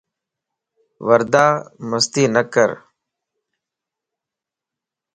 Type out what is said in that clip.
وردا مستي نڪر